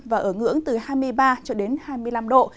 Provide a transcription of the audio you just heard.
và ở ngưỡng từ hai mươi ba hai mươi năm độ